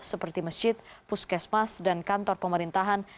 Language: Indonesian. seperti masjid puskesmas dan kantor pemerintahan